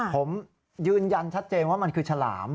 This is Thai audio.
ผมยืนยันชัดเจนว่ามันคือฉลาม